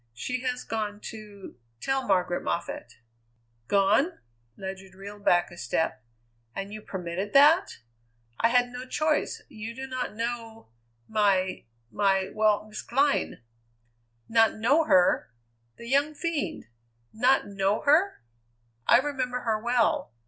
She has gone to tell Margaret Moffatt." "Gone?" Ledyard reeled back a step. "And you permitted that?" "I had no choice. You do not know my my well, Miss Glynn." "Not know her? The young fiend! Not know her? I remember her well.